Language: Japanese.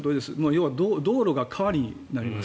要は道路が川になります。